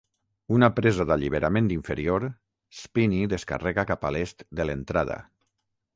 Una presa d'alliberament inferior, Spinney descarrega cap a l'est de l'entrada.